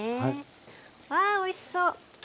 わあおいしそう！